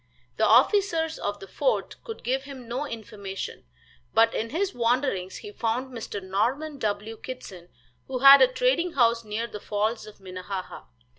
The officers of the fort could give him no information, but in his wanderings he found Mr. Norman W. Kittson, who had a trading house near the Falls of Minnehaha.